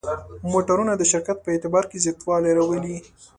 موټرونه د شرکت په اعتبار کې زیاتوالی راولي.